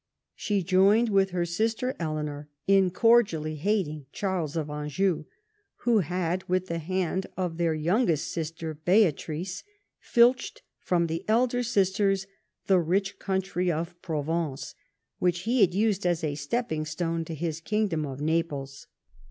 She joined with her sister Eleanor in cordially hating Charles of Anjou, who had, with the hand of their youngest sister Beatrice, filched from the elder sisters the rich country of Provence, which he had used as a stepping stone to his kingdom of Naples.